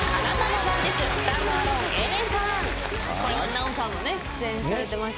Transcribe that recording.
これは奈緒さんもね出演されてましたから。